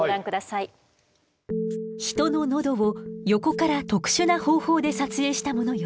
人の喉を横から特殊な方法で撮影したものよ。